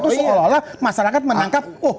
seolah olah masyarakat menangkap